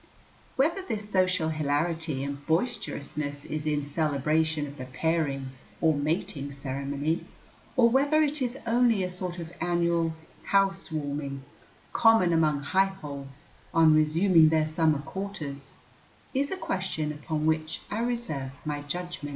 Whether this social hilarity and boisterousness is in celebration of the pairing or mating ceremony, or whether it is only a sort of annual "house warming" common among high holes on resuming their summer quarters, is a question upon which I reserve my judgment.